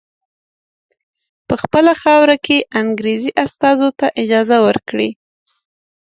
په خپله خاوره کې انګریزي استازو ته اجازه ورکړي.